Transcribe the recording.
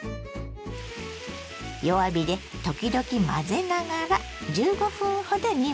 弱火で時々混ぜながら１５分ほど煮ましょ。